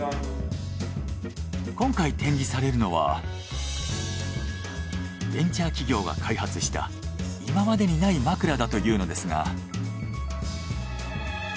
今回展示されるのはベンチャー企業が開発したいままでにない枕だというのですが。